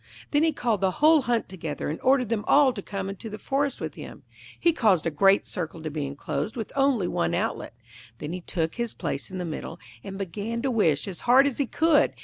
Then he called the whole Hunt together, and ordered them all to come into the forest with him. He caused a great circle to be enclosed, with only one outlet; then he took his place in the middle, and began to wish as hard as he could.